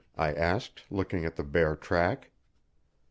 I asked, looking at the bare track.